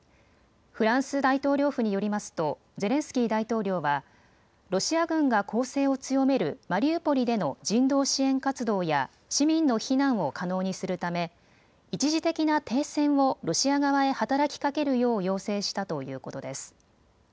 フランス大統領府によりますとゼレンスキー大統領はロシア軍が攻勢を強めるマリウポリでの人道支援活動や市民の避難を可能にするため一時的な停戦をロシア側へ働きかけるよう要請したということです。